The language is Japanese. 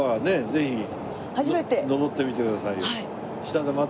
ぜひ上ってみてくださいよ。